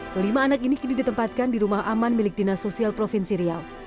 kelima anak ini kini ditempatkan di rumah aman milik dinas sosial provinsi riau